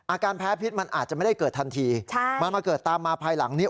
อาการแพ้พิษมันอาจจะไม่ได้เกิดทันทีมันมาเกิดตามมาภายหลังนี้